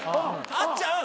あっちゃん